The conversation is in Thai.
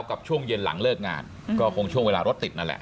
ช่วงเย็นหลังเลิกงานก็คงช่วงเวลารถติดนั่นแหละ